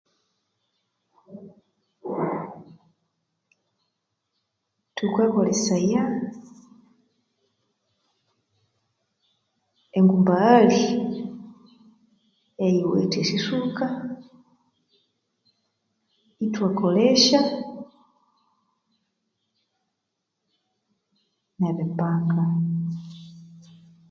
Thukakolesaya engumbaghali eyiwithe esisuka ithwakolesya ebipanga.